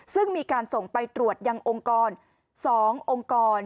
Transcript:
ซึ่งมีการส่งไปตรวจยังองค์กร๒องค์กร